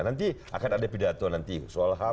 nanti akan ada pidato nanti soal ham